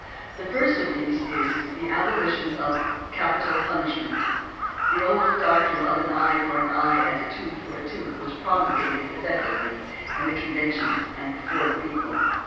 The first of these is the "Abolition of Capital Punishment." The old doctrine of "an eye for an eye and a tooth for a tooth" was promulgated effectively in the convention and before the people.